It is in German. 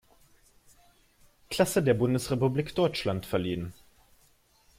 Klasse der Bundesrepublik Deutschland verliehen.